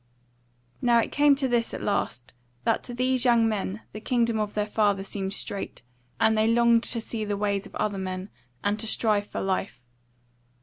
Now it came to this at last, that to these young men the kingdom of their father seemed strait; and they longed to see the ways of other men, and to strive for life.